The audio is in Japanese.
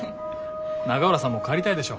永浦さんも帰りたいでしょ？